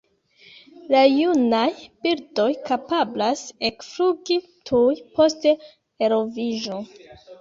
La junaj birdoj kapablas ekflugi tuj post eloviĝo.